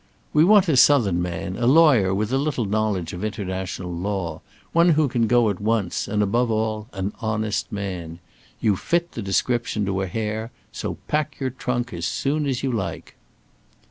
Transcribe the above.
"We want a Southern man, a lawyer with a little knowledge of international law, one who can go at once, and, above all, an honest man. You fit the description to a hair; so pack your trunk as soon as you like."